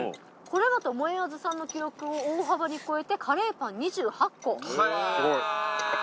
これだともえあずさんの記録を大幅に超えてカレーパン２８個。